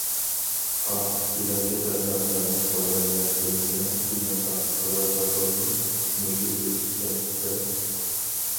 ئاھ، ھېلىقى ئەبلەخلەرنىڭ بازار مەھكىمىسىنىڭ ئېلان تاختىسىغا چاپلىغىنى مۇشۇ گەپ ئىكەن- دە!